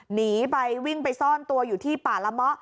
หนีไปวิ่งไปซ่อนตัวอยู่ที่ป่าละเมาะ